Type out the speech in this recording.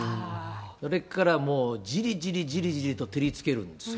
それからもう、じりじりじりじりと照りつけるんですよ。